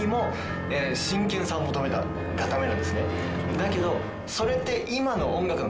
だけど。